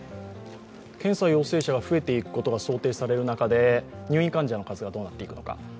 検査陽性者が増えていくのが想定される中で入院患者の数がどうなっていくのか。